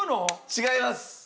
違います。